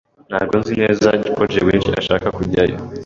Ntabwo nzi neza ko Jivency ashaka kujyayo.